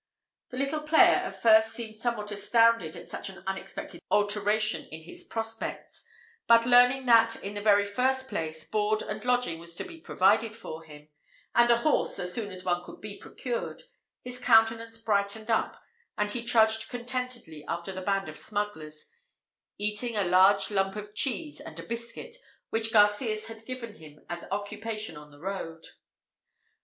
The little player at first seemed somewhat astounded at such an unexpected alteration in his prospects; but learning that, in the very first place, board and lodging was to be provided for him, and a horse as soon as one could be procured, his countenance brightened up, and he trudged contentedly after the band of smugglers, eating a large lump of cheese and a biscuit, which Garcias had given him as occupation on the road.